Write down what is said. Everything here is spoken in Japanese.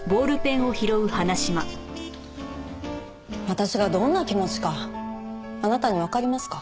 私がどんな気持ちかあなたにわかりますか？